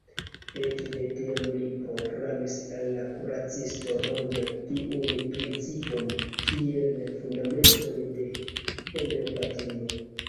Ekde tiam li proklamis al la kuracista rondo tiun principon kiel fundamenton de Homeopatio.